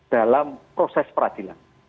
dalam proses peradilan